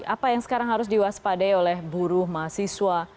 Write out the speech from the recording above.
apa yang sekarang harus diwaspadai oleh buruh mahasiswa